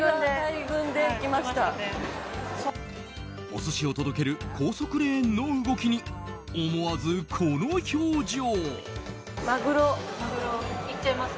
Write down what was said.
お寿司を届ける高速レーンの動きに、思わずこの表情。